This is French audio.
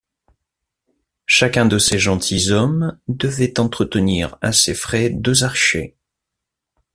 Chacun de ces gentilshommes devait entretenir à ses frais deux archers.